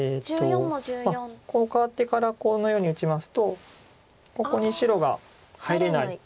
こう換わってからこのように打ちますとここに白が入れない。